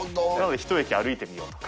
１駅歩いてみようとか。